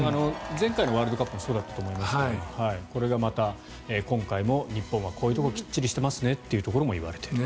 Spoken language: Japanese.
前回のワールドカップもそうだったと思いますがこれがまた今回も日本はこういうところをきっちりしてますねというところも言われている。